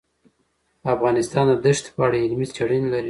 افغانستان د دښتې په اړه علمي څېړنې لري.